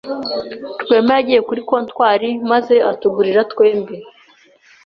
Rwema yagiye kuri comptoir maze atugurira twembi.